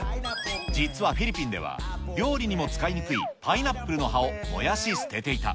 実はフィリピンでは、料理にも使いにくいパイナップルの葉を燃やし、捨てていた。